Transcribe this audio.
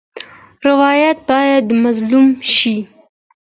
روایت باید د مظلوم شي.